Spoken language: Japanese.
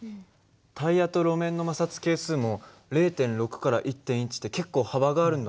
タイヤと路面の摩擦係数も０．６１．１って結構幅があるんだね。